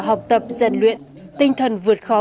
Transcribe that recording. học tập giàn luyện tinh thần vượt khó